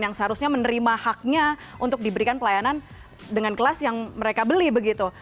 yang seharusnya menerima haknya untuk diberikan pelayanan dengan kelas yang mereka beli begitu